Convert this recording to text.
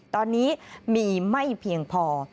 ตอนนี้มีไม่เพียงพอ